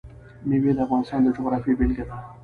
مېوې د افغانستان د جغرافیې بېلګه ده.